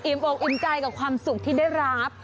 บอกอิ่มใจกับความสุขที่ได้รับ